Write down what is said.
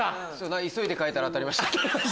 急いで書いたら当たりました。